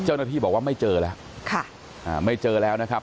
เจ้าหน้าที่บอกว่าไม่เจอแล้วค่ะอ่าไม่เจอแล้วนะครับ